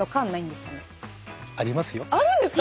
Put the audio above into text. あるんですか？